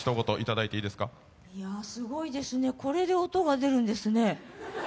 いや、すごいですね、これで音が出るんですね。